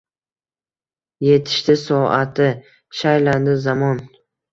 Yetishdi soati. Shaylandi zamon